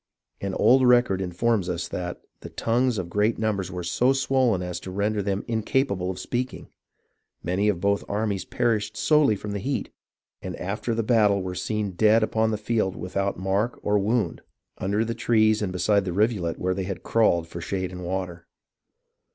An old record informs us that "the tongues of great numbers were so swollen as to render them incapable of speaking. Many of both armies perished solely from heat, and after the battle were seen dead upon the field without mark or wound, under the trees and beside the rivulet where they had crawled for shade and water.